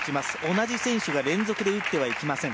同じ選手が連続で打ってはいけません。